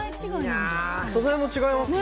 素材も違いますね。